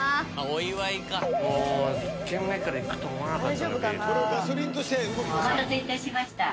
お待たせいたしました。